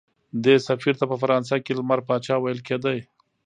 دې سفیر ته په فرانسه کې لمر پاچا ویل کېده.